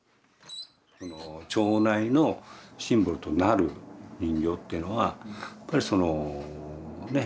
町内のシンボルとなる人形っていうのはやっぱりそのねっ